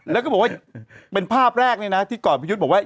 แล้วก็บอกว่าเป็นภาพแรกเนี่ยนะที่ก่อนพี่ยุทธ์บอกว่า